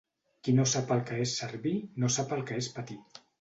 Qui no sap el que és servir no sap el que és patir.